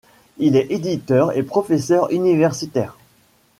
Il est éditeur et professeur universitaire.